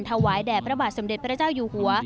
ถวายแด่พระบาทสมเด็จพระเจ้าอยู่หัว